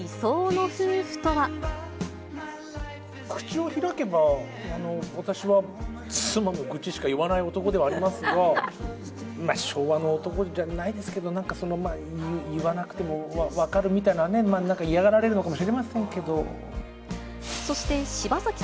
口を開けば、私は、妻の愚痴しか言わない男ではありますが、昭和の男じゃないですけど、なんか、言わなくても分かるみたいなね、なんか嫌がられるのかもしれませんけど。